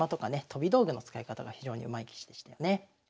飛び道具の使い方が非常にうまい棋士でしたよね。